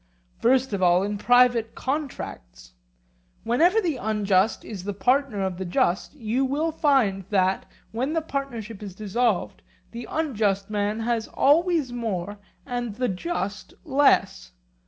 First of all, in private contracts: wherever the unjust is the partner of the just you will find that, when the partnership is dissolved, the unjust man has always more and the just less.